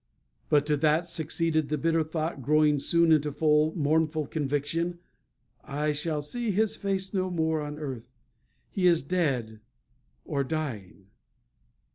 But to that succeeded the bitter thought, growing soon into full, mournful conviction, "I shall see his face no more on earth. He is dead or dying."